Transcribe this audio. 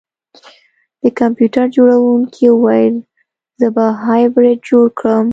د کمپیوټر جوړونکي وویل زه به هایبریډ جوړ کړم